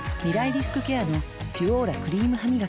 リスクケアの「ピュオーラ」クリームハミガキ